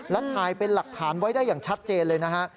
และถ่ายเป็นหลักฐานไว้ได้อย่างชัดเจนเลยนะฮะ